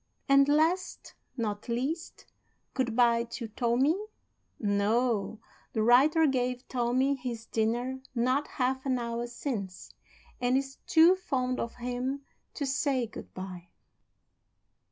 And last, not least, good by to Tommie? No. The writer gave Tommie his dinner not half an hour since, and is too fond of him to say good by.